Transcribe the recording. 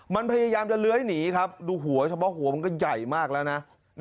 มันพยายามจะเลื้อยหนีครับดูหัวเฉพาะหัวมันก็ใหญ่มากแล้วนะ